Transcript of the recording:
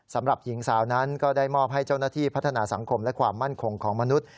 สำหรับหญิงสาวนั้นก็ได้มอบให้เจ้าหน้าที่พัฒนาสังคมและความมั่นคงของมนุษย์